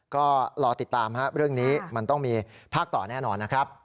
ก็รอติดตามเรื่องนี้มันต้องมีภาคต่อแน่นอนนะครับ